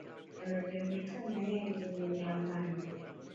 Decatábase que yeren mui altos.